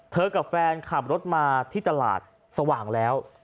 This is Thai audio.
กับแฟนขับรถมาที่ตลาดสว่างแล้ว